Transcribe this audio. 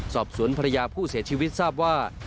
สอบสวนภรรยาผู้เสียชีวิตทราบว่า